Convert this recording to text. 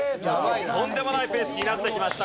とんでもないペースになってきました。